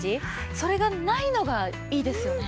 それがないのがいいですよね。